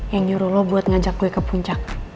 yang nyuruh lo buat ngajak gue ke puncak